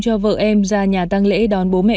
cho vợ em ra nhà tăng lễ đón bố mẹ